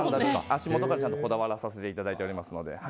足元からちゃんとこだわらさせていただいているので。